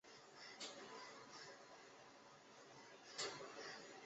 拟褐圆盾介壳虫为盾介壳虫科褐圆盾介壳虫属下的一个种。